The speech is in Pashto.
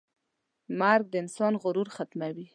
مرګ د انسان غرور ختموي.